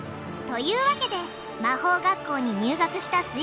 というわけで魔法学校に入学したす